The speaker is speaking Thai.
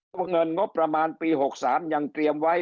เงินงบประมาณปี๖๓ยังเตรียมไว้